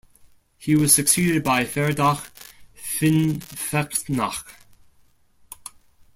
He was succeeded by Feradach Finnfechtnach.